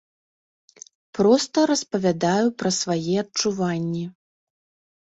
Проста распавядаю пра свае адчуванні.